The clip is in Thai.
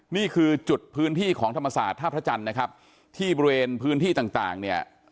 นี่คือจุดพื้นที่ของธรรมศาสตร์ท่าพระจันทร์นะครับที่บริเวณพื้นที่ต่างต่างเนี่ย